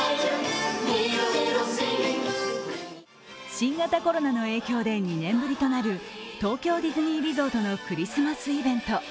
新型コロナの影響で２年ぶりとなる東京ディズニーリゾートのクリスマスイベント。